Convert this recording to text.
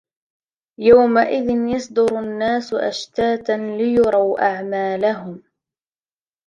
يَومَئِذٍ يَصدُرُ النّاسُ أَشتاتًا لِيُرَوا أَعمالَهُم